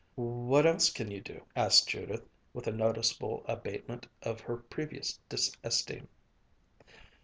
"What else can you do?" asked Judith with a noticeable abatement of her previous disesteem.